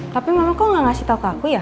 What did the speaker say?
tapi mama kok gak ngasih tau ke aku ya